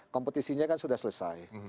kompetisinya kan sudah selesai